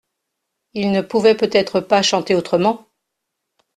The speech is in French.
Il ne pouvait peut-être pas chanter autrement.